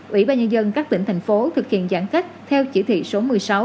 ủy ban nhân dân các tỉnh thành phố thực hiện giãn cách theo chỉ thị số một mươi sáu